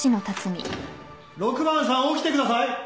６番さん起きてください。